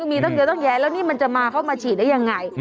มีตั้งเยอะตั้งแย้แล้วนี่มันจะมาเข้ามาฉีดได้ยังไง